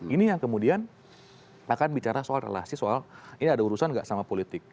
ini yang kemudian akan bicara soal relasi soal ini ada urusan nggak sama politik